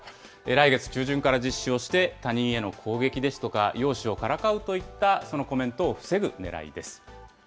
来月中旬から実施をして、他人への攻撃ですとか、容姿をからかうといったコメントを防ぐねらいです。